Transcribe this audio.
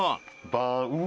「バーン！